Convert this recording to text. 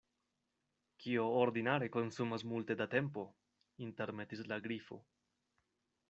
"Kio ordinare konsumas multe da tempo," intermetis la Grifo.